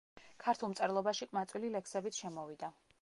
ქართულ მწერლობაში ყმაწვილი ლექსებით შემოვიდა.